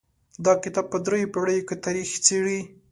دا کتاب په درې پېړیو کې تاریخ څیړي.